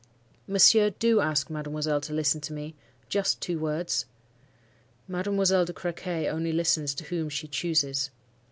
"'Monsieur, do ask mademoiselle to listen to me,—just two words.' "'Mademoiselle de Crequy only listens to whom she chooses.